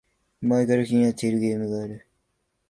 前から気になってるゲームがある